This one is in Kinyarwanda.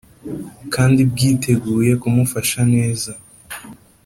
kandi bwiteguye kumufasha neza